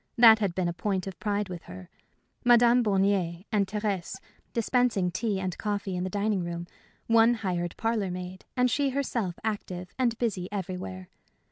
That had been a point of pride with her. Madame Bornier and Thérèse dispensing tea and coffee in the dining room, one hired parlor maid, and she herself active and busy everywhere.